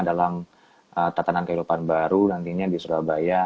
dalam tatanan kehidupan baru nantinya di surabaya